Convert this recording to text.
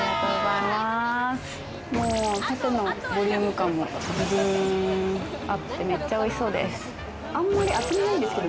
ボリューム感もあってめっちゃおいしそうです。